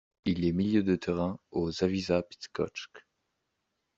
Il est milieu de terrain au Zawisza Bydgoszcz.